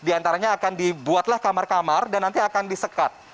di antaranya akan dibuatlah kamar kamar dan nanti akan disekat